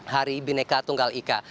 hari bineka tugal ika